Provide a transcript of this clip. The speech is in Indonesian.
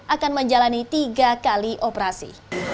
akan menjalani tiga kali operasi